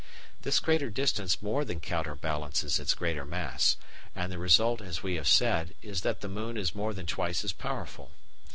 This greater distance more than counterbalances its greater mass, and the result, as we have said, is that the moon is more than twice as powerful.